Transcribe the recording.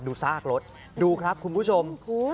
ดูซากรถดูครับคุณผู้ชม